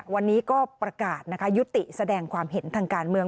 วันนี้ก็ประกาศยุติแสดงความเห็นทางการเมือง